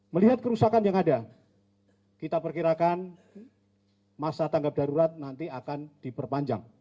melihat kerusakan yang ada kita perkirakan masa tanggap darurat nanti akan diperpanjang